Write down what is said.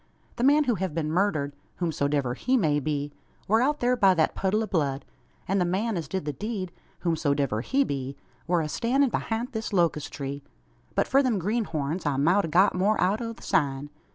The man who hev been murdered, whosomdiver he may be, war out thur by thet puddle o' blood, an the man as did the deed, whosomdiver he be, war a stannin' behint this locust tree. But for them greenhorns, I mout a got more out o' the sign.